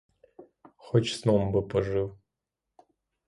Хоч сном би пожив.